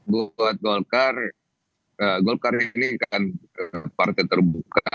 buat golkar golkar ini kan partai terbuka